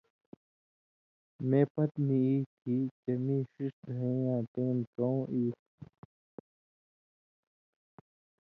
مے پتہۡ نی ای تھی چےۡ مِیں ݜِݜ دھیَیں یاں ٹېم کؤں ای تُھو۔